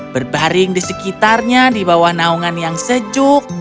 berbaring di sekitarnya di bawah naungan yang sejuk